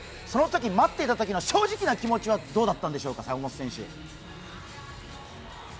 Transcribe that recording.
そのとき待っていたときの正直な気持ちはどうだったんでしょうか？